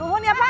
umpon ya pak